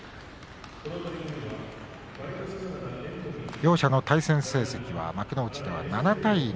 両者の対戦成績は幕内では７対２。